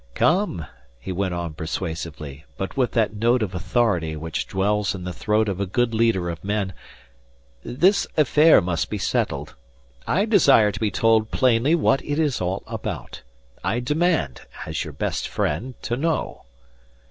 "Come," he went on persuasively, but with that note of authority which dwells in the throat of a good leader of men, "this affair must be settled. I desire to be told plainly what it is all about. I demand, as your best friend, to know."